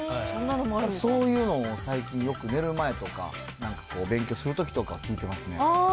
そういうのを最近よく寝る前とか、なんかこう勉強するときとかは聴いてますね。